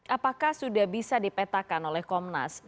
apakah sudah bisa dipetakan oleh komnas